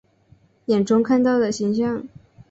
眼中看到的形象